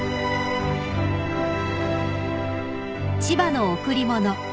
［『千葉の贈り物』